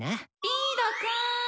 リードくん。